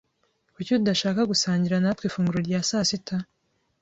Kuki udashaka gusangira natwe ifunguro rya sasita?